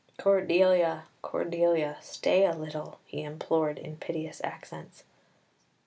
"Cordelia, Cordelia! Stay a little!" he implored in piteous accents.